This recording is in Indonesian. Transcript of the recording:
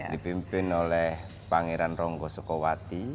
dipimpin oleh pangeran ronggo soekowati